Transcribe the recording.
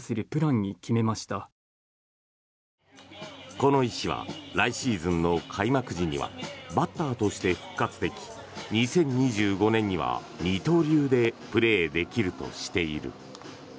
この医師は来シーズンの開幕時にはバッターとして復活でき２０２５年には二刀流でプレーできるとしている。